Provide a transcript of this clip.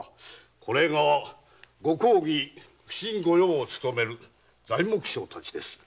これがご公儀普請御用をつとめる材木商たちです。